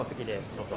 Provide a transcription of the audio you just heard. どうぞ。